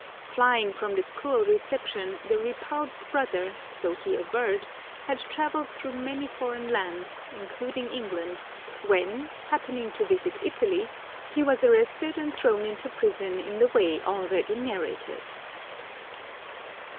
Flying from this cruel reception, the repulsed brother, so he averred, had travelled through many foreign lands, including England, when, happening to visit Italy, he was arrested and thrown into prison in the way already narrated.